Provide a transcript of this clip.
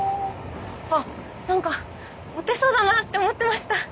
あっ何かモテそうだなって思ってました。